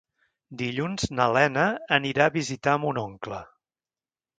Dilluns na Lena anirà a visitar mon oncle.